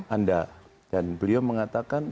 anda dan beliau mengatakan